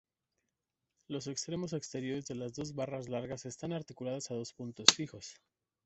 Los extremos exteriores de las dos barras largas están articulados a dos puntos fijos.